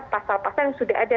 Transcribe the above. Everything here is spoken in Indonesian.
pasal pasal yang sudah ada